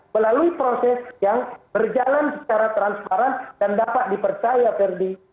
melalui proses yang berjalan secara transparan dan dapat dipercaya ferdi